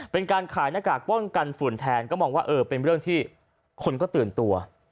เป็นการขายหน้ากากป้องกันฝุ่นแทนก็มองว่าเออเป็นเรื่องที่คนก็ตื่นตัว